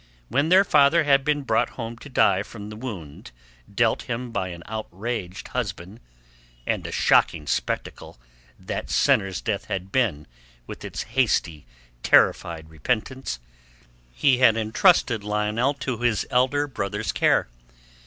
When their father had been brought home to die from the wound dealt him by an outraged husband—and a shocking spectacle that sinner's death had been with its hasty terrified repentance—he had entrusted Lionel to his elder brother's care.